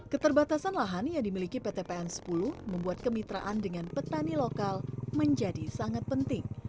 keterbatasan lahan yang dimiliki pt pn sepuluh membuat kemitraan dengan petani lokal menjadi sangat penting